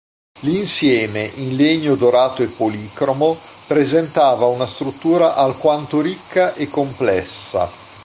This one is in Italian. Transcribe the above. L'insieme, in legno dorato e policromo, presentava una struttura alquanto ricca e complessa.